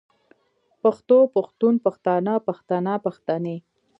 پښتو پښتون پښتانۀ پښتنه پښتنې